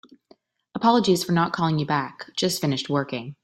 Apologies for not calling you back. Just finished working.